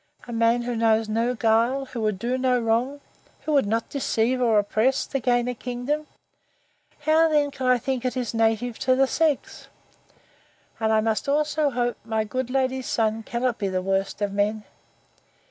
—A man who knows no guile! who would do no wrong!—who would not deceive or oppress, to gain a kingdom!—How then can I think it is native to the sex? And I must also hope my good lady's son cannot be the worst of men!